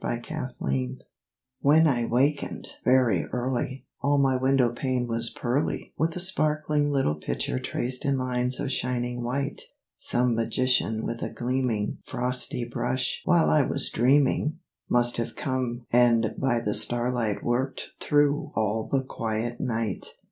THE FROSTED PANE When I wakened, very early, All my window pane was pearly With a sparkling little picture traced in lines of shining white; Some magician with a gleaming Frosty brush, while I was dreaming, Must have come and by the starlight worked through all the quiet night.